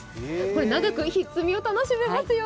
長くひっつみを楽しめますよ。